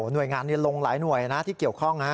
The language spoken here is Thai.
หน่วยงานลงหลายหน่วยที่เกี่ยวข้อง